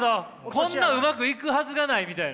こんなうまくいくはずがないみたいな。